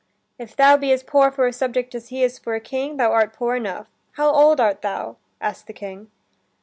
"If thou be as poor for a subject as he is for a King, thou art poor enough How old art thou?" asks the King.